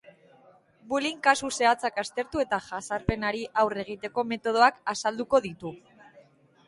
Bulliyng kasu zehatzak aztertu eta jazarpenari aurre egiteko metodoak azalduko ditu.